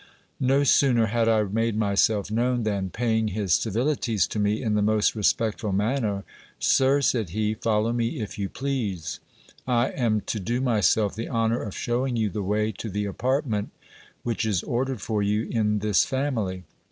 No sooner had I made myself known, than paving his civilities to me in the most respectful man ner, Sir, said he, follow me if you please : I am to do myself the honour of shewing you the way to the apartment which is ordered for you in this family.